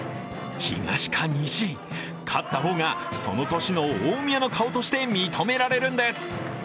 東か西、勝った方がその年の大宮の顔として認められるんです。